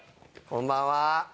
こんばんは。